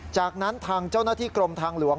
จากนั้นทางเจ้าหน้าที่กรมทางหลวง